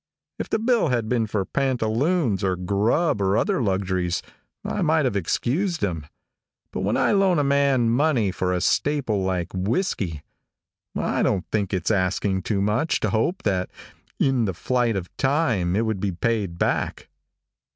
If the bill had been for pantaloons, or grub, or other luxuries, I might have excused him, but when I loan a man money for a staple like whisky. I don't think it's asking too much to hope that in the flight of time it would be paid back.